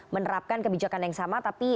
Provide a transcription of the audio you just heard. menerapkan kebijakan yang sama tapi